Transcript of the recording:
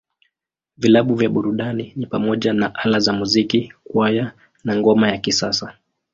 Vilabu vya burudani ni pamoja na Ala za Muziki, Kwaya, na Ngoma ya Kisasa.